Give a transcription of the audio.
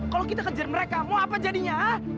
kalau kita kejar mereka mau apa jadinya